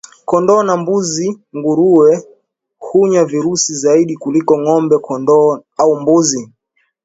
kondoo na mbuzi Nguruwe hunya virusi zaidi kuliko ng'ombe kondoo au mbuzi